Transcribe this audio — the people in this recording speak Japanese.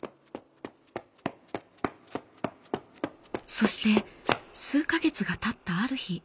そして数か月がたったある日。